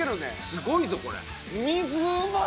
すごいぞこれ。